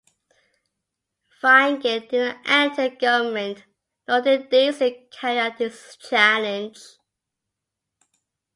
Fine Gael did not enter government, nor did Deasy carry out his challenge.